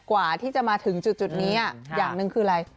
กว่าที่จะมาถึงจุดนี้อย่างหนึ่งคืออะไร